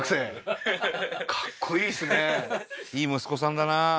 いい息子さんだなうん